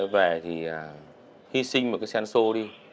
về thì hy sinh một cái sensor đi